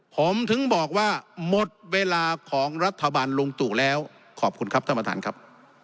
ผมถึงบอกว่าหมดเวลาของรัฐบาลลุงตู่แล้วขอบคุณครับท่านประธานครับ